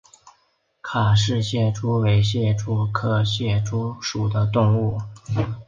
卡氏蟹蛛为蟹蛛科蟹蛛属的动物。